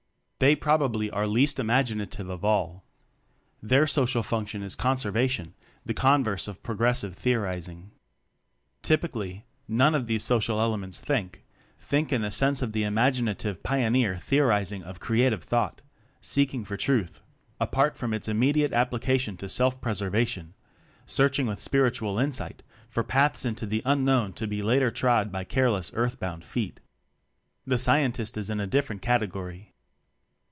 They probably are least imaginative of all. Their social function is con servation, the converse of progressive theorizing. Typically, none of these social ele ments think; think in the sense of the imaginative pioneer theorizing of cre ative thought seeking for truth apart from its immediate application to self preservation searching with spiritual insight for paths into the unknown to be later trod by careless earth bound feet. The Scientist is in a different cate gory.